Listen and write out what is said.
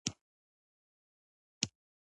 استاد د نسلونو د بدلون وسیله ده.